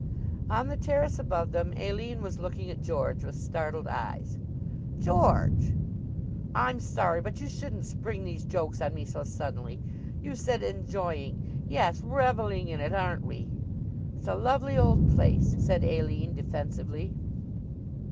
On the terrace above them Aline was looking at George with startled eyes. "George!" "I'm sorry; but you shouldn't spring these jokes on me so suddenly. You said enjoying! Yes reveling in it, aren't we!" "It's a lovely old place," said Aline defensively.